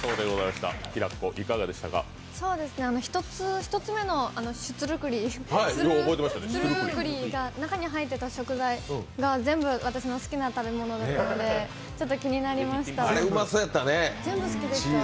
１つ目のシュトゥルクリが中に入ってた食材が全部私の好きな食べ物だったので気になりました。